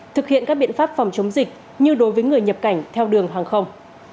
thực hiện các biện pháp phòng chống dịch như đối với người nhập cảnh theo đường hàng không